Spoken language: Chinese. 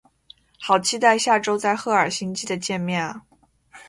好期待下周在赫尔辛基的见面啊